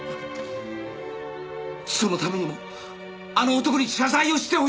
そのためにもあの男に謝罪をしてほしいんだ！